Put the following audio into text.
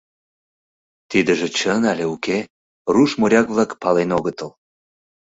Тидыже чын але уке, руш моряк-влак пален огытыл.